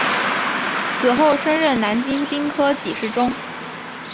此后升任南京兵科给事中。